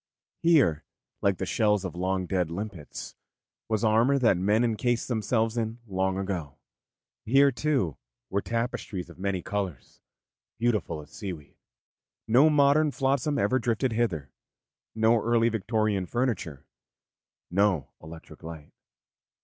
Here, like the shells of long dead limpets, was armour that men encased themselves in long ago; here, too, were tapestries of many colours, beautiful as seaweed; no modern flotsam ever drifted hither, no early Victorian furniture, no electric light.